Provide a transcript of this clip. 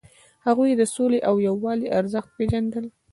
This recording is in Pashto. هغوی د سولې او یووالي ارزښت پیژندل.